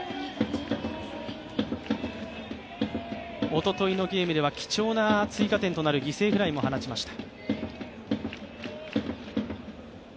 おとといのゲームでは貴重な追加点となる犠牲フライも放ちました。